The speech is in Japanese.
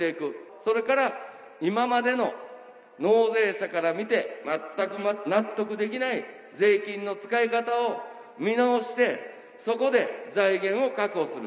それから今までの納税者から見て、全く納得できない税金の使い方を見直して、そこで財源を確保する。